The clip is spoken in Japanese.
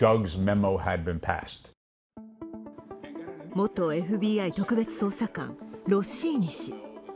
元ＦＢＩ特別捜査官、ロッシーニ氏。